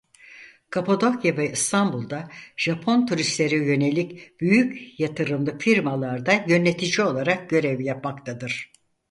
Kapadokya ve İstanbul'da Japon turistlere yönelik büyük yatırımlı firmalarda yönetici olarak görev yapmaktadır.